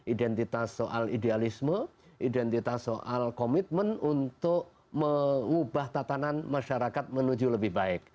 identitas soal idealisme identitas soal komitmen untuk mengubah tatanan masyarakat menuju lebih baik